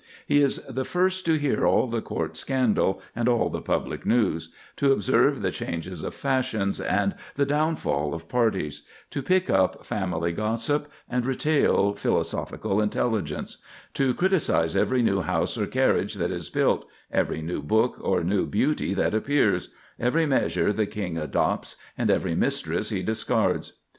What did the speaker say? "He is the first to hear all the court scandal, and all the public news; to observe the changes of fashions, and the downfall of parties; to pick up family gossip, and retail philosophical intelligence; to criticise every new house or carriage that is built, every new book or new beauty that appears, every measure the King adopts, and every mistress he discards."